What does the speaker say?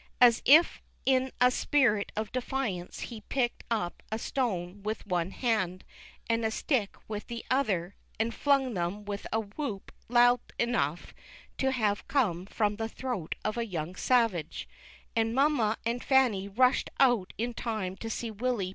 As if in a spirit of defiance he picked up a stone with one hand, and a stick with the other, and flung them with a whoop loud enough to have come from the throat of a young savage, and mamma and Fanny rushed out in time to see Willy THE KING CAT.